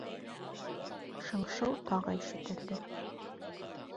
Шыңшыу тағы ишетелде.